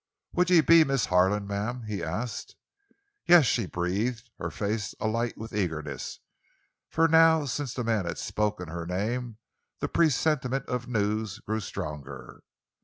"Would ye be Miss Harlan, ma'am?" he asked. "Yes," she breathed, her face alight with eagerness, for now since the man had spoken her name the presentiment of news grew stronger.